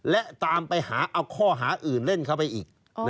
และตามไปหาเอาข้อหาอื่นเล่นเข้าไปอีก